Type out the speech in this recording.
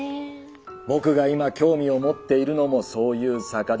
僕が今興味を持っているのもそういう「坂」だ。